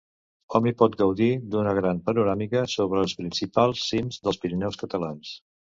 Hom hi pot gaudir d'una gran panoràmica sobre els principals cims dels Pirineus Catalans.